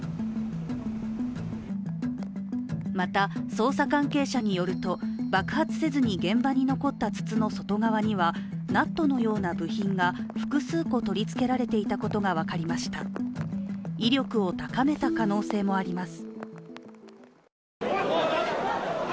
また、捜査関係者によると、爆発せずに現場に残った筒の外側にはナットのような部品が複数個取り付けられていたことが分かりました威力を高めた可能性もあります。